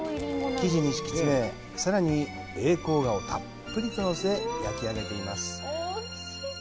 生地に敷き詰め、さらに栄黄雅をたっぷりとのせ焼き上げています。